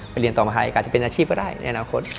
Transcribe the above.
เรียนต่อมาให้อาจจะเป็นอาชีพก็ได้ในอนาคต